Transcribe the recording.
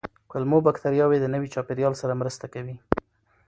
کولمو بکتریاوې د نوي چاپېریال سره مرسته کوي.